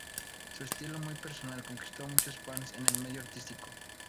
Su estilo muy personal conquistó a muchos fans en el medio artístico.